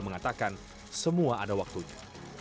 mengatakan semua ada waktunya